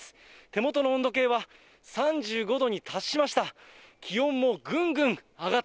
手元の温度計は３５度に達しました。